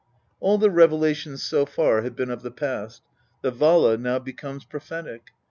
All the revelations so far have been of the past ; the Vala now becomes prophetic.